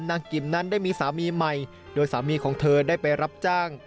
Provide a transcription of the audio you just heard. กิมนั้นได้มีสามีใหม่โดยสามีของเธอได้ไปรับจ้าง